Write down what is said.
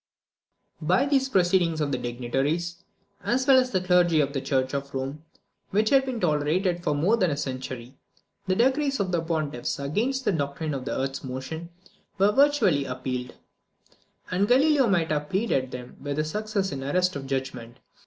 By these proceedings of the dignitaries, as well as the clergy of the Church of Rome, which had been tolerated for more than a century, the decrees of the pontiffs against the doctrine of the earth's motion were virtually repealed; and Galileo might have pleaded them with success in arrest of judgment.